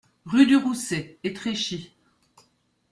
Rue du Roussay, Étréchy